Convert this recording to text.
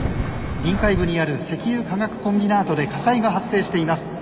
臨海部にある石油化学コンビナートで火災が発生しています。